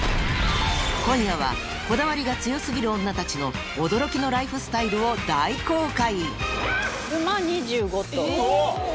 今夜はこだわりが強過ぎる女たちの驚きのライフスタイルを大公開